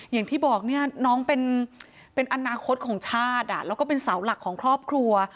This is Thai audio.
อย่างที่บอกเนี่ยน้องเป็นอนาคตของชาติแล้วก็เป็นเสาหลักของครอบครัว